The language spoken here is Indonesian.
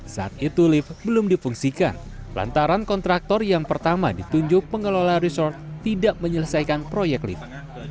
saat itu lift belum difungsikan lantaran kontraktor yang pertama ditunjuk pengelola resort tidak menyelesaikan proyek lift